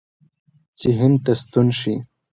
چې هند ته ستون شي.